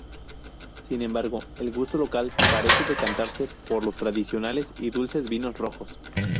Sin embargo, el gusto local parece decantarse por los tradicionales y dulces vinos rojos.